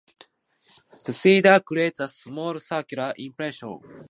The seeder creates a small circular impression, that is used to represent seeds.